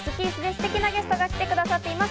ステキなゲストが来てくださっています。